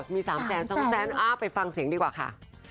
มี๓แสน๒แสนไปฟังเสียงดีกว่าค่ะ